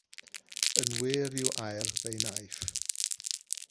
Yn wir i'w air, fe wnaeth.